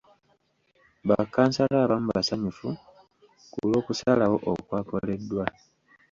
Ba kansala abamu basanyufu ku lw'okusalawo okwakoleddwa.